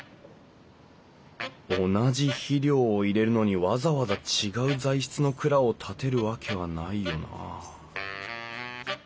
同じ肥料を入れるのにわざわざ違う材質の蔵を建てるわけはないよな